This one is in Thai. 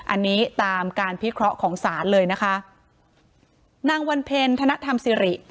อันนี้ตามการพิเคราะห์ของศาลเลยนะคะนางวันเพ็ญธนธรรมสิริ